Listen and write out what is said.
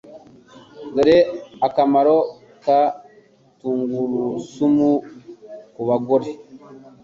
Dore akamaro ka Tungurusumu kubagore